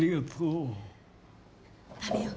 食べよう。